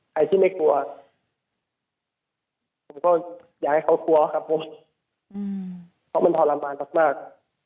ใครที่ไม่กลัวผมก็อยากให้เขากลัวครับผมเพราะมันทรมานมาก